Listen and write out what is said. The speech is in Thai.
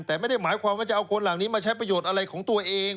แต่ไม่ได้หมายความว่าจะเอาคนเหล่านี้มาใช้ประโยชน์อะไรของตัวเอง